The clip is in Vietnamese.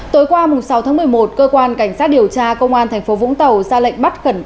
tối qua sáu tháng một mươi một cơ quan cảnh sát điều tra công an tp vũng tàu ra lệnh bắt khẩn trương